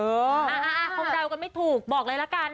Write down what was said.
คงเดากันไม่ถูกบอกเลยละกัน